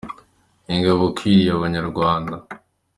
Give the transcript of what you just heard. Ingabo kiwiriye Abanyarwanda